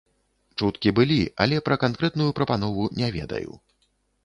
Чуткі былі, але пра канкрэтную прапанову не ведаю.